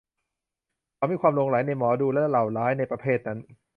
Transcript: เขามีความหลงใหลในหมอดูและเหล่าร้ายในประเภทนั้น